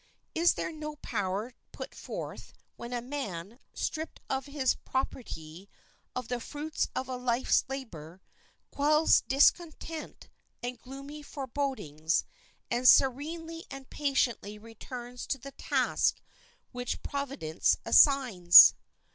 Is there no power put forth when a man, stripped of his property—of the fruits of a life's labor—quells discontent and gloomy forebodings, and serenely and patiently returns to the task which providence assigns?